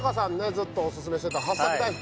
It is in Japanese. ずっとオススメしてたはっさく大福